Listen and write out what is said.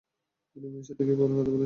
তোমার মেয়ের সাথে কি কথা বলেছ?